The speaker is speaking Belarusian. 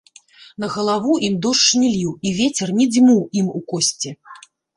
На галаву ім дождж не ліў, і вецер не дзьмуў ім у косці.